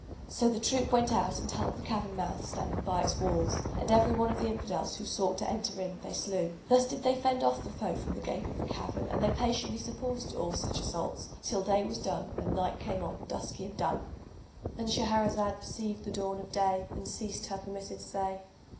So the troop went out and held the cavern mouth standing by its walls; and every one of the Infidels who sought to enter in, they slew. Thus did they fend off the foe from the gape of the cave and they patiently supported all such assaults, till day was done and night came on dusky and dun;—And Shahrazad perceived the dawn of day and ceased saying her permitted say.